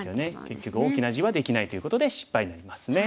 結局大きな地はできないということで失敗になりますね。